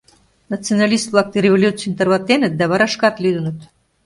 Националист-влак революцийым тарватеныт да вара шкат лӱдыныт.